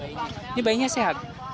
ini bayinya sehat